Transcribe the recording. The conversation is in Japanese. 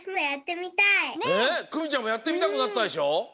くみちゃんもやってみたくなったでしょ？